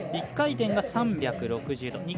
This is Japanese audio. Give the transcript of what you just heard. １回転が３６０度。